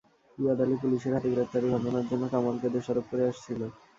ইয়াদ আলী পুলিশের হাতে গ্রেপ্তারের ঘটনার জন্য কামালকে দোষারোপ করে আসছিল।